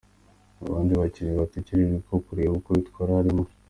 Mu bandi bakinnyi bategerejweho kureba uko bitwara harimo:.